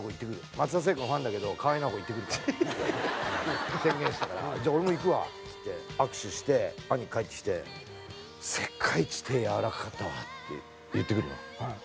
松田聖子のファンだけど河合奈保子行ってくるから」って宣言したから「じゃあ俺も行くわ」っつって握手して兄貴帰ってきて「世界一手やわらかかったわ」って言ってくるの。